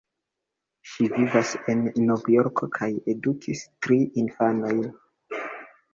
Ŝi vivas en Novjorko kaj edukis tri infanojn.